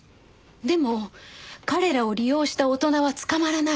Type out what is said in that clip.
でも彼らを利用した大人は捕まらない。